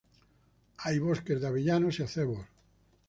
Hay bosques de avellanos y acebos.